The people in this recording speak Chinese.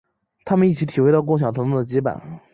他们一起体会到共享疼痛的羁绊。